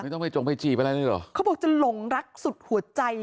เขาบอกจะหลงรักสุดหัวใจ